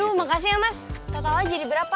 aduh makasih ya mas totalnya jadi berapa